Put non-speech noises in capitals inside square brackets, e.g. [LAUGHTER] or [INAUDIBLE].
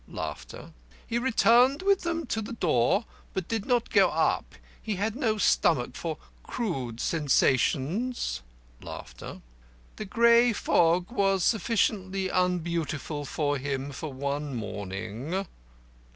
[LAUGHS] He returned with them to the door, but did not go up. He had no stomach for crude sensations. [LAUGHS] The grey fog was sufficiently unbeautiful for him for one morning.